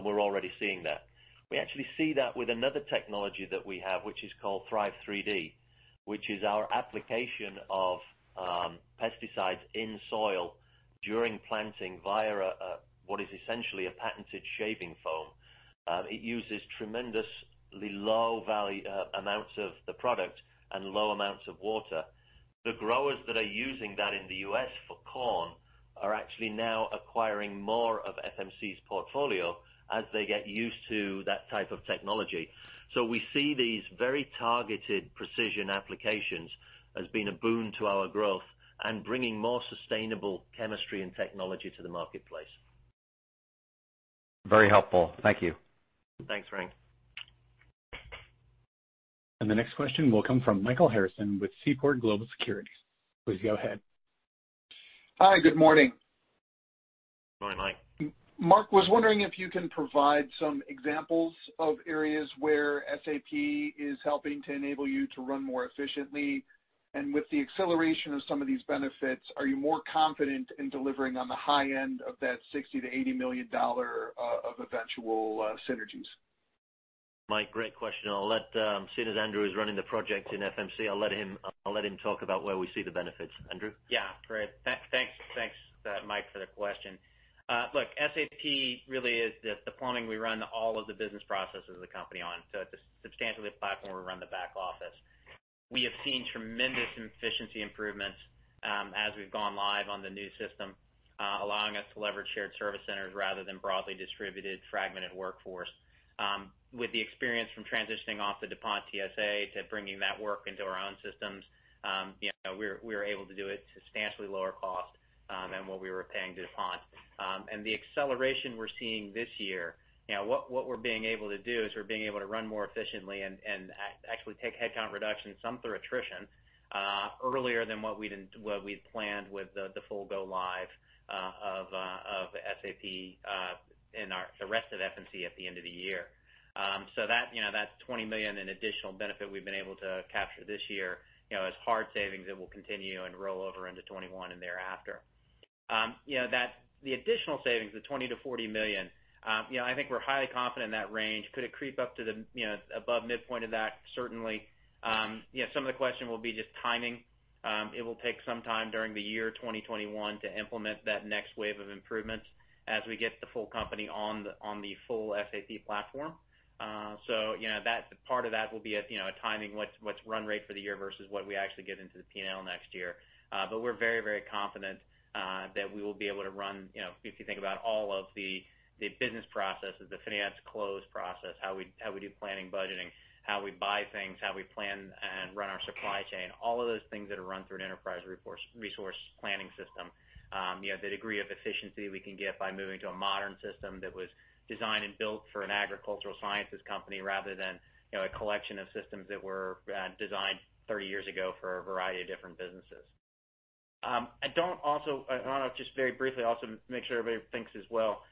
We're already seeing that. We actually see that with another technology that we have, which is called 3RIVE 3D, which is our application of pesticides in soil during planting via what is essentially a patented shaving foam. It uses tremendously low volume amounts of the product and low amounts of water. The growers that are using that in the U.S. for corn are actually now acquiring more of FMC's portfolio as they get used to that type of technology. We see these very targeted precision applications as being a boon to our growth and bringing more sustainable chemistry and technology to the marketplace. Very helpful. Thank you. Thanks, Frank. The next question will come from Michael Harrison with Seaport Global Securities. Please go ahead. Hi, good morning. Good morning, Mike. Mark, was wondering if you can provide some examples of areas where SAP is helping to enable you to run more efficiently. With the acceleration of some of these benefits, are you more confident in delivering on the high end of that $60 million to $80 million of eventual synergies? Mike, great question. Seeing as Andrew is running the project in FMC, I'll let him talk about where we see the benefits. Andrew? Great. Thanks, Mike, for the question. Look, SAP really is the plumbing we run all of the business processes of the company on. It's substantially the platform we run the back office. We have seen tremendous efficiency improvements as we've gone live on the new system, allowing us to leverage shared service centers rather than broadly distributed fragmented workforce. With the experience from transitioning off the DuPont TSA to bringing that work into our own systems, we are able to do it substantially lower cost than what we were paying DuPont. The acceleration we're seeing this year, what we're being able to do is we're being able to run more efficiently and actually take headcount reductions, some through attrition, earlier than what we'd planned with the full go live of SAP in the rest of FMC at the end of the year. That's $20 million in additional benefit we've been able to capture this year, as hard savings that will continue and roll over into 2021 and thereafter. The additional savings, the $20 million to $40 million, I think we're highly confident in that range. Could it creep up to above midpoint of that? Certainly. Some of the question will be just timing. It will take some time during the year 2021 to implement that next wave of improvements as we get the full company on the full SAP platform. Part of that will be a timing what's run rate for the year versus what we actually get into the P&L next year. We're very, very confident that we will be able to run, if you think about all of the business processes, the finance close process, how we do planning, budgeting, how we buy things, how we plan and run our supply chain, all of those things that are run through an enterprise resource planning system. The degree of efficiency we can get by moving to a modern system that was designed and built for an agricultural sciences company rather than a collection of systems that were designed 30 years ago for a variety of different businesses. I want to just very briefly also make sure everybody thinks as well.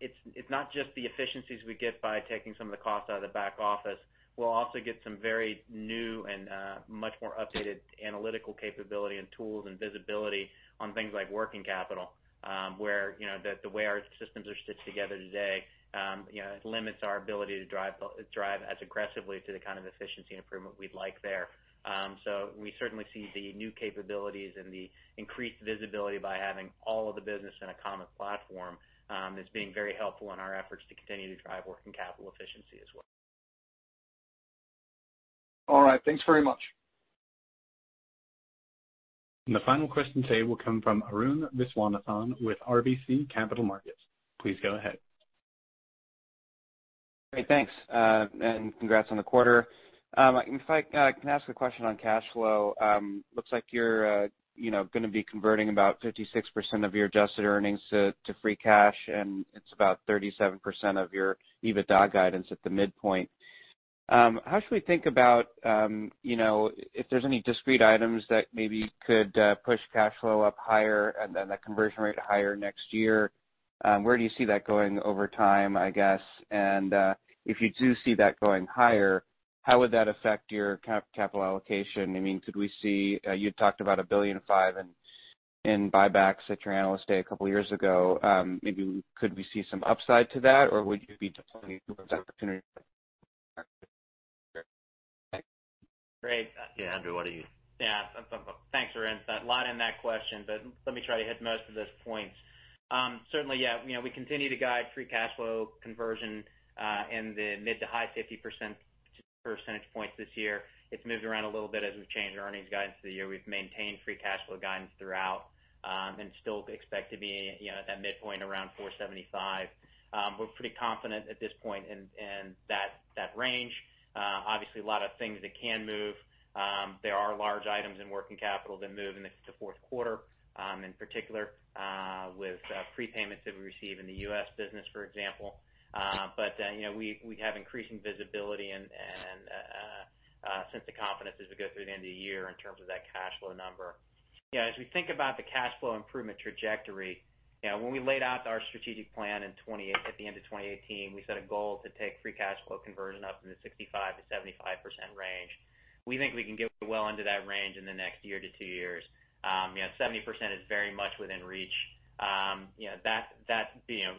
It's not just the efficiencies we get by taking some of the cost out of the back office. We'll also get some very new and much more updated analytical capability and tools and visibility on things like working capital, where the way our systems are stitched together today limits our ability to drive as aggressively to the kind of efficiency improvement we'd like there. We certainly see the new capabilities and the increased visibility by having all of the business in a common platform as being very helpful in our efforts to continue to drive working capital efficiency as well. All right. Thanks very much. The final question today will come from Arun Viswanathan with RBC Capital Markets. Please go ahead. Great. Thanks, and congrats on the quarter. If I can ask a question on cash flow. Looks like you're going to be converting about 56% of your adjusted earnings to free cash, and it's about 37% of your EBITDA guidance at the midpoint. How should we think about if there's any discrete items that maybe could push cash flow up higher and then the conversion rate higher next year? Where do you see that going over time, I guess? If you do see that going higher, how would that affect your capital allocation? You talked about $1.5 billion in buybacks at your Analyst Day a couple of years ago. Maybe could we see some upside to that, or would you be opportunity? Thanks. Great. Yeah. Andrew, why don't you? Thanks, Arun. A lot in that question, let me try to hit most of those points. Certainly, we continue to guide free cash flow conversion in the mid to high 50% points this year. It's moved around a little bit as we've changed earnings guidance for the year. We've maintained free cash flow guidance throughout, and still expect to be at that midpoint around $475. We're pretty confident at this point in that range. A lot of things that can move. There are large items in working capital that move in the fourth quarter, in particular, with prepayments that we receive in the U.S. business, for example. We have increasing visibility and a sense of confidence as we go through the end of the year in terms of that cash flow number. As we think about the cash flow improvement trajectory, when we laid out our strategic plan at the end of 2018, we set a goal to take free cash flow conversion up in the 65%-75% range. We think we can get well into that range in the next year to two years. 70% is very much within reach. That's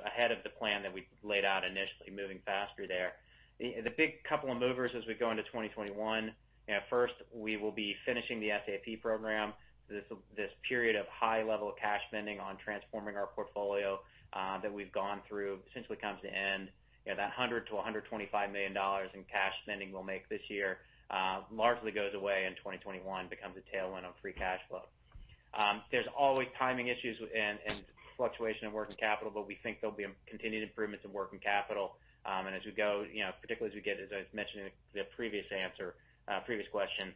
ahead of the plan that we laid out initially, moving faster there. The big couple of movers as we go into 2021. First, we will be finishing the SAP program. This period of high level of cash spending on transforming our portfolio that we've gone through essentially comes to end. That $100 million to $125 million in cash spending we'll make this year largely goes away in 2021, becomes a tailwind on free cash flow. There's always timing issues and fluctuation of working capital, but we think there'll be continued improvements in working capital. As we go, particularly as I've mentioned in the previous question,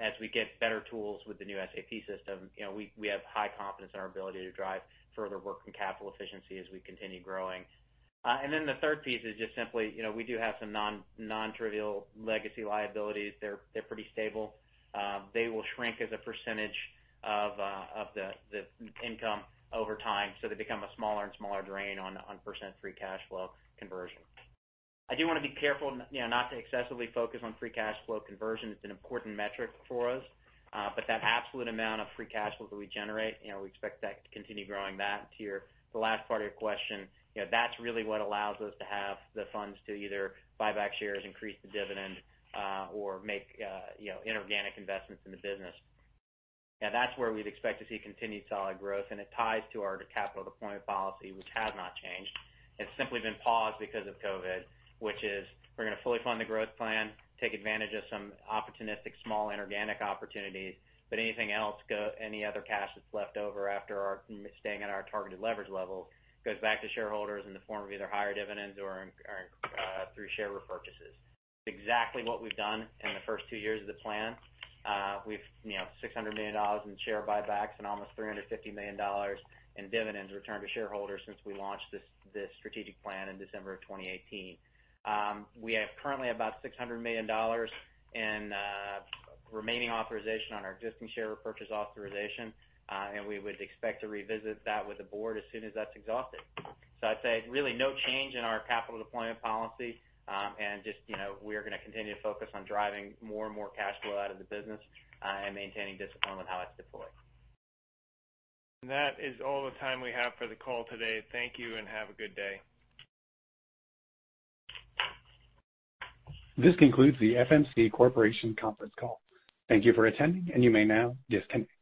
as we get better tools with the new SAP system, we have high confidence in our ability to drive further working capital efficiency as we continue growing. The third piece is just simply, we do have some non-trivial legacy liabilities. They're pretty stable. They will shrink as a percentage of the income over time, so they become a smaller and smaller drain on % free cash flow conversion. I do want to be careful not to excessively focus on free cash flow conversion. It's an important metric for us. That absolute amount of free cash flow that we generate, we expect that to continue growing. To the last part of your question, that's really what allows us to have the funds to either buy back shares, increase the dividend, or make inorganic investments in the business. That's where we'd expect to see continued solid growth, and it ties to our capital deployment policy, which has not changed. It's simply been paused because of COVID-19, which is we're going to fully fund the growth plan, take advantage of some opportunistic, small inorganic opportunities, but anything else, any other cash that's left over after staying at our targeted leverage level goes back to shareholders in the form of either higher dividends or through share repurchases. Exactly what we've done in the first two years of the plan. We have $600 million in share buybacks and almost $350 million in dividends returned to shareholders since we launched this strategic plan in December of 2018. We have currently about $600 million in remaining authorization on our existing share repurchase authorization, and we would expect to revisit that with the board as soon as that's exhausted. I'd say really no change in our capital deployment policy, and just we are going to continue to focus on driving more and more cash flow out of the business and maintaining discipline on how it's deployed. That is all the time we have for the call today. Thank you and have a good day. This concludes the FMC Corporation conference call. Thank you for attending, and you may now disconnect.